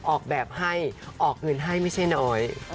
ออกแบบให้ออกเงินให้ไม่ใช่น้อย